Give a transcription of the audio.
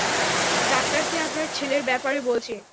ডাক্তারকে আপনার ছেলের ব্যাপারে বলেছি।